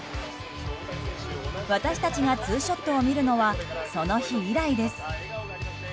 私たちがツーショットを見るのはその日以来です。